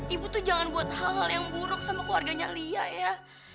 ibu tuh jangan buat hal hal yang buruk sama keluarganya lia ya